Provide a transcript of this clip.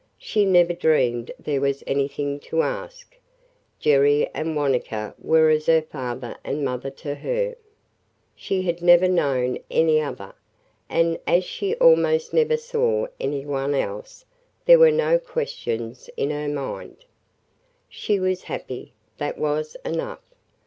She never dreamed there was anything to ask. Jerry and Wanetka were as her father and mother to her. She had never known any other. And as she almost never saw any one else, there were no questions in her mind. She was happy; that was enough.